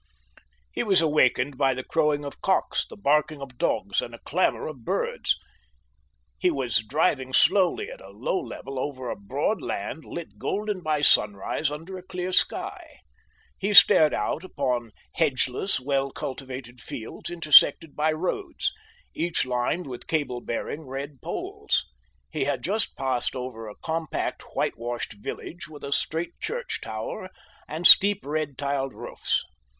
He was awakened by the crowing of cocks, the barking of dogs, and a clamour of birds. He was driving slowly at a low level over a broad land lit golden by sunrise under a clear sky. He stared out upon hedgeless, well cultivated fields intersected by roads, each lined with cable bearing red poles. He had just passed over a compact, whitewashed, village with a straight church tower and steep red tiled roofs.